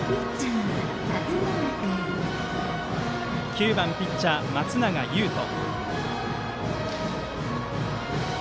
９番ピッチャー、松永優斗。